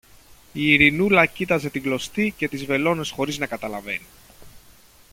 Η Ειρηνούλα κοίταζε την κλωστή και τις βελόνες χωρίς να καταλαβαίνει.